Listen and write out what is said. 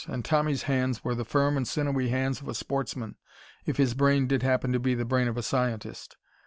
And Tommy's hands were the firm and sinewy hands of a sportsman, if his brain did happen to be the brain of a scientist.